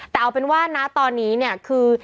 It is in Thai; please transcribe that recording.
แต่เอาเป็นว่านะตอนนี้เนี่ยคือ